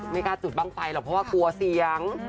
กล้าจุดบ้างไฟหรอกเพราะว่ากลัวเสียง